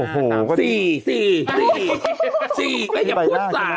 มันอยากพูด๓